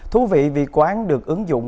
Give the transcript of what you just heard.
thú vị vì quán được ứng dụng